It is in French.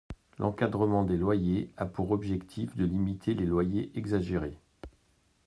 L’encadrement des loyers a pour objectif de limiter les loyers exagérés.